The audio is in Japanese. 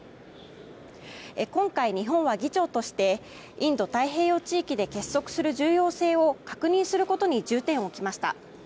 今回、日本は議長としてインド太平洋地域で結束する重要性を確認することに重点を置きました。